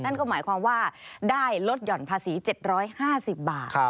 นั่นก็หมายความว่าได้ลดหย่อนภาษี๗๕๐บาท